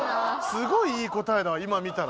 すごいいい答えだわ今見たら。